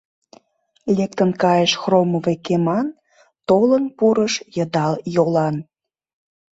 Лектын кайыш хромовый кеман, толын пурыш йыдал йолан.